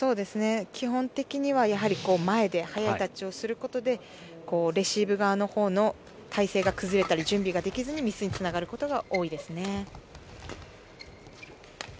基本的には前で速いタッチをすることでレシーブ側のほうの体勢が崩れたり、準備ができずにミスにつながることが多いですね。